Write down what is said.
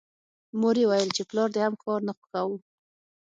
مور یې ویل چې پلار دې هم ښار نه خوښاوه